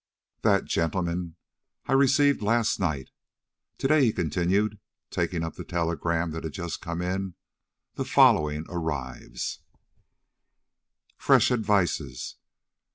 "That, gentlemen, I received last night. To day," he continued, taking up the telegram that had just come in, "the following arrives: "Fresh advices.